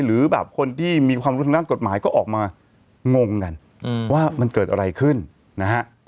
หรือแบบคนที่มีความรู้ทางด้านกฎหมายก็ออกมางงกันว่ามันเกิดอะไรขึ้นนะฮะ